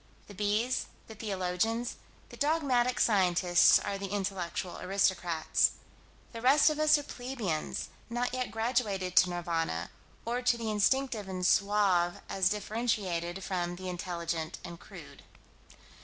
The bees, the theologians, the dogmatic scientists are the intellectual aristocrats. The rest of us are plebeians, not yet graduated to Nirvana, or to the instinctive and suave as differentiated from the intelligent and crude.